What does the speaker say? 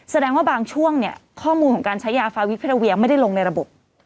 แสดงว่าบางช่วงเนี่ยข้อมูลของการใช้ยาฟาวิพิราเวียไม่ได้ลงในระบบ